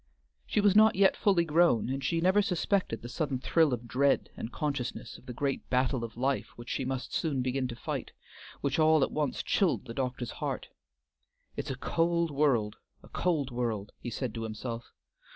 She was not yet fully grown, and she never suspected the sudden thrill of dread, and consciousness of the great battle of life which she must soon begin to fight, which all at once chilled the doctor's heart. "It's a cold world, a cold world," he had said to himself.